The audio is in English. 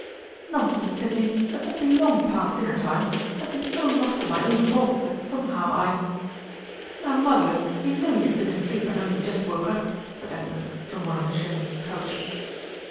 "Nonsense, Sidney, it must be long past dinner time! I've been so lost in my own thoughts that somehow I " "Now, Mother, you know you've been asleep and only just woke up!" said Edna, from one of the chintz couches.